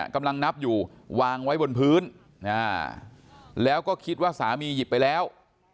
กำลังนับอยู่วางไว้บนพื้นแล้วก็คิดว่าสามีหยิบไปแล้ว